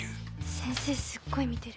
先生すごい見てる。